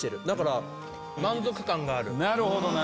だから満足感がある。